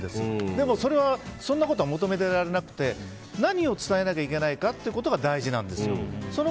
でもそんなことは求められてなくて何を伝えなきゃいけないかということが大事なんです。